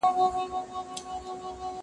زه اوږده وخت سپينکۍ پرېولم وم،